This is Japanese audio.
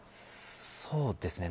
そうですね。